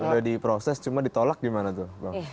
sudah diproses cuma ditolak gimana tuh